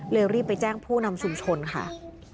รีบไปแจ้งผู้นำชุมชนค่ะ